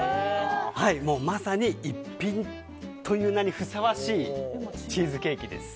もうまさに逸品という名にふさわしいチーズケーキです。